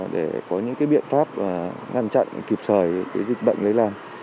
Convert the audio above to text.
để có những biện pháp ngăn chặn kịp thời dịch bệnh lấy làm